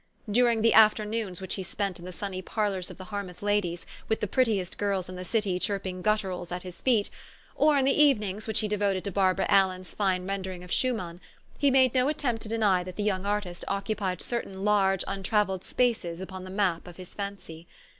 During the afternoons which he spent in the sunny parlors of the Harmouth ladies, with the prettiest girls in the city chirping gutturals at his feet, or in the evenings which he devoted to Barbara Allen's fine renderings of Schumann, he made no attempt to deny that the young artist occupied cer tain large untravelled spaces upon the map of his fancy.